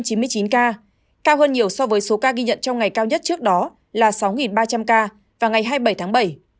cao hơn nhiều so với số ca ghi nhận trong ngày cao nhất trước đó là sáu ba trăm linh ca vào ngày hai mươi bảy tháng bảy